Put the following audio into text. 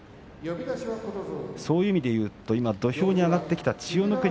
そういう意味では今、土俵に上がってきた千代の国